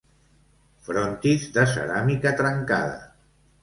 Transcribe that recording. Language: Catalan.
Frontis de ceràmica trencada.